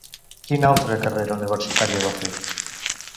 Quina altra carrera universitària va fer?